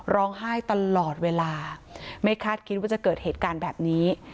ร้องไห้ตลอดเวลาไม่คาดคิดว่าจะเกิดเหตุการณ์แบบนี้